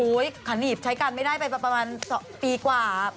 ขาหนีบใช้กันไม่ได้ไปประมาณ๒ปีกว่า